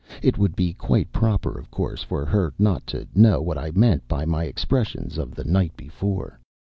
It would be quite proper, of course, for her not to know what I meant by my expressions of the night before.